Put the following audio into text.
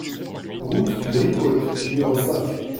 Route de Rivehaute au numéro cinq